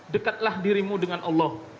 dekatlah dirimu dengan allah